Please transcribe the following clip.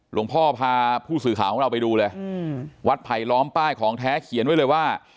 พาผู้สื่อข่าวของเราไปดูเลยวัดไผลล้อมป้ายของแท้เขียนไว้เลยว่า